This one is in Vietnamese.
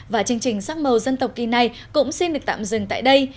và chương trình sắc màu dân tộc kỳ này cũng xin được tạm dừng tại đây